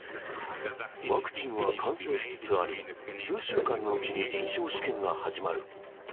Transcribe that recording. ワクチンは完成しつつあり、数週間のうちに、臨床試験が始まる。